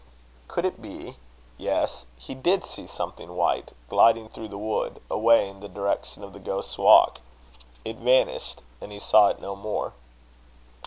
Could it be? Yes. He did see something white, gliding through the wood, away in the direction of the Ghost's Walk. It vanished; and he saw it no more.